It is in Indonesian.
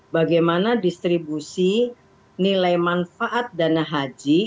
bagaimana distribusi nilai manfaat dana haji